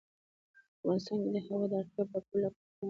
په افغانستان کې د هوا د اړتیاوو پوره کولو لپاره اقدامات کېږي.